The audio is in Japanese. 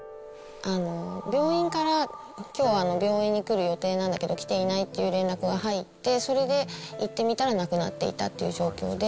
病院から、きょう、病院に来る予定なんだけど来ていないっていう連絡が入って、それで行ってみたら亡くなっていたっていう状況で。